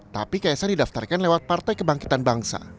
tapi kaisar didaftarkan lewat partai kebangkitan bangsa